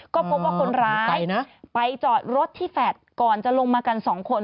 ก็พบว่าคนร้ายไปจอดรถที่แฟลต์ก่อนจะลงมากันสองคน